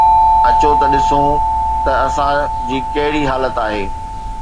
اچو ته ڏسون ته اسان جي ڪهڙي حالت آهي.